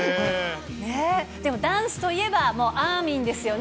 でもダンスといえば、もうあーみんですよね。